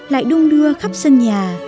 lại đung đưa khắp sân nhà